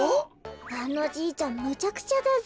あのじいちゃんむちゃくちゃだぜ。